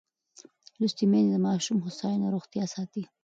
لوستې میندې د ماشوم هوساینه او روغتیا ساتي.